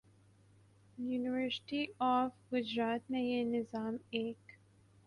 university of Gujarat میں یہ نظام ایک